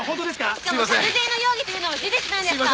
しかも殺人の容疑というのは事実なんですか？